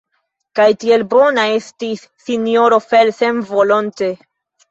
Kaj tiel bona estis sinjoro Felsen volonte.